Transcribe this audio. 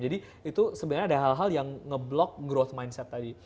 jadi itu sebenarnya ada hal hal yang ngeblok growth mindset tadi